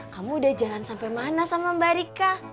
kamu udah jalan sampe mana sama mbak rika